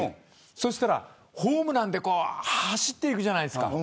そうしたらホームランで走っていくじゃないですか。